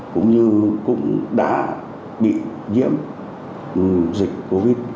cũng như cũng đã bị nhiễm dịch covid